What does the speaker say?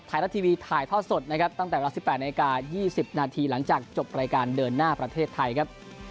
ไทยรัฐทีวีถ่ายทอดสดนะครับตั้งแต่เวลา๑๘นาที๒๐นาทีหลังจากจบรายการเดินหน้าประเทศไทยครับ